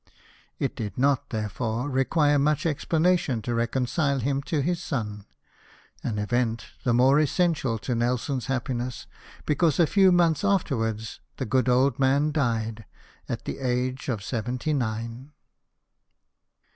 It did not, therefore, require much explanation to reconcile him to his son — an event the more essential to Nelson's happi ness, because a few months afterwards the good old man died at the age of seventy nine.